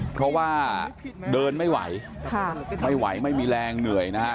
เพราะว่าเดินไม่ไหวไม่ไหวไม่มีแรงเหนื่อยนะฮะ